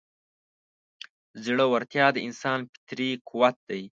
زړهورتیا د انسان فطري قوت دی.